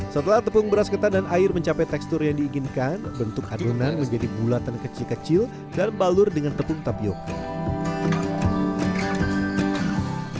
setelah tepung beras ketan dan air mencapai tekstur yang diinginkan bentuk adonan menjadi bulatan kecil kecil dan balur dengan tepung tapioca